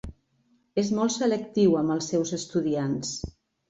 És molt selectiu amb els seus estudiants.